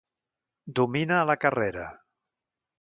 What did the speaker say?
Domina a la carrera.